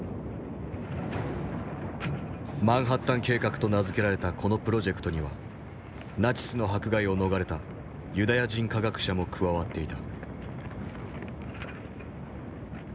マンハッタン計画と名付けられたこのプロジェクトにはナチスの迫害を逃れたユダヤ人科学者も加わっていた。